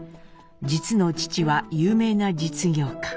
実の父は有名な実業家。